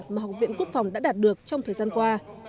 mà học viện quốc phòng đã đạt được trong thời gian qua